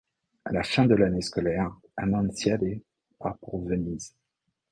À la fin de l'année scolaire, Annonciade part pour Venise.